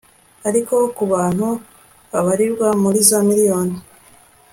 ariko ku bantu babarirwa muri za miriyoni